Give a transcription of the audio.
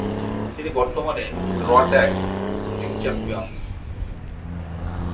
তিনি বর্তমানে Raw tag team champions.